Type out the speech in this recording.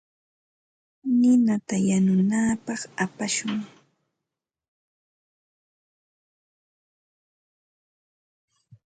Ninata yanunapaq apashun.